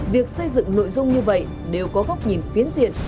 việc xây dựng nội dung như vậy đều có góc nhìn phiến diện